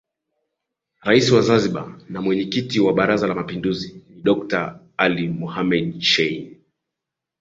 Rais wa Zanzibar na Mwenyekiti wa Baraza la Mapinduzi ni Dokta Ali Mohamed Shein